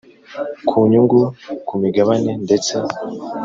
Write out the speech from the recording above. Ku nyungu ku migabane ndetse